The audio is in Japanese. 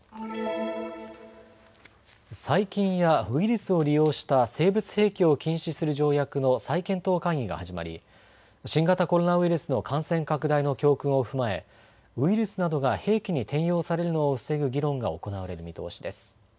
細菌やウイルスを利用した生物兵器を禁止する条約の再検討会議が始まり新型コロナウイルスの感染拡大の教訓を踏まえ、ウイルスなどが兵器に転用されるのを防ぐ議論が行われる見通しです。